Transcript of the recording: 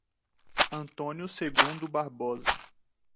Antônio Segundo Barbosa